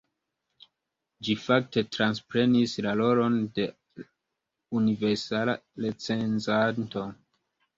Ĝi fakte transprenis la rolon de universala recenzanto.